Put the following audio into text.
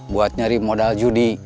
buat nyari modal judi